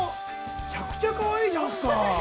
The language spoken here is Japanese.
めちゃくちゃかわいいじゃんすか。